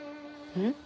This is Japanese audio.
うん？